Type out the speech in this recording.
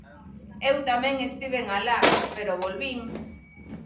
Eu tamén estiven alá, pero volvín.